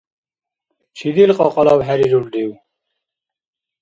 Чидил кьакьалав хӀерирулрив?